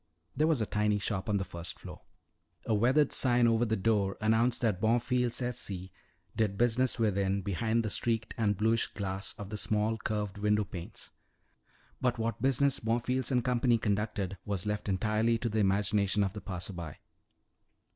There was a tiny shop on the first floor. A weathered sign over the door announced that Bonfils et Cie. did business within, behind the streaked and bluish glass of the small curved window panes. But what business Bonfils and Company conducted was left entirely to the imagination of the passer by.